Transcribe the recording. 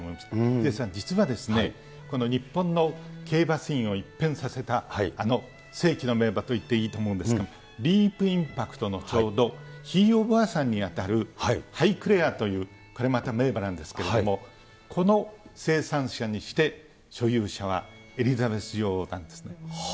ヒデさん、実はですね、この日本の競馬シーンを一変させた、あの世紀の名馬といっていいと思うんですけれども、ディープインパクトのちょうどひいおばあさんに当たるハイクレアという、これまた名馬なんですけれども、この生産者にして所有者はエリザベス女王なんですね。